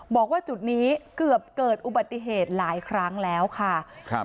บอกว่าจุดนี้เกือบเกิดอุบัติเหตุหลายครั้งแล้วค่ะครับ